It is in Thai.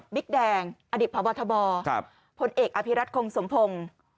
บิ๊กแดงอดิบภาวะทบผลเอกอภิรัฐคงสมพงศ์